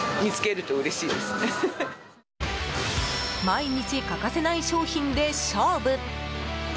毎日欠かせない商品で勝負。